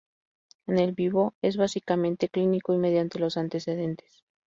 En el vivo, es básicamente clínico y mediante los antecedentes.